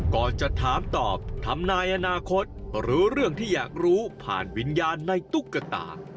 ก่อนจะถามตอบทำนายอนาคตหรือเรื่องที่อยากรู้ผ่านวิญญาณในตุ๊กตา